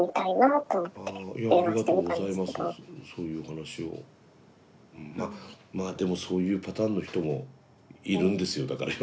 うんまあでもそういうパターンの人もいるんですよだから